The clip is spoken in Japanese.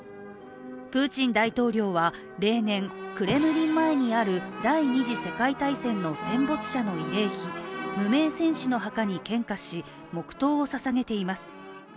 プーチン大統領は例年、クレムリン前にある第二次世界大戦の戦没者の慰霊碑無名戦士の墓に献花し黙とうをささげています。